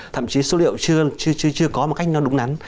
thậm chí số liệu chưa có một cách nó đúng nắn